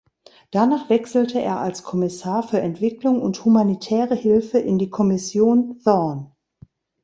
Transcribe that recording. Danach wechselte er als Kommissar für Entwicklung und humanitäre Hilfe in die Kommission Thorn.